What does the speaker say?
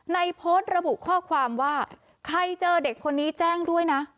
โพสต์ระบุข้อความว่าใครเจอเด็กคนนี้แจ้งด้วยนะ